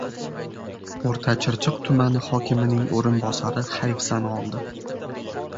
O‘rtachirchiq tumani hokimining o‘rinbosari "hayfsan" oldi...